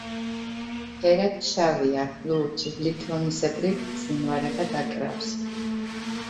ფერად შავია, ლურჯი, ლითონისებრი ბზინვარება დაკრავს.